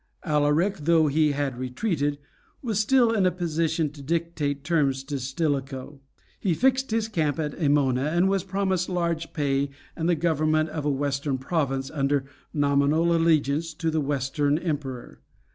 Alaric, though he had retreated, was still in a position to dictate terms to Stilicho. He fixed his camp at Æmona, and was promised large pay and the government of a Western province under nominal allegiance to the Western Emperor.